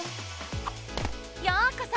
ようこそ！